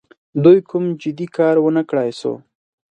دوی کوم جدي کار ونه کړای سو.